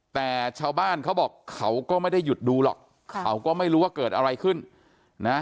แต่ชาวบ้านเขาบอกเขาก็ไม่ได้หยุดดูหรอกเขาก็ไม่รู้ว่าเกิดอะไรขึ้นนะ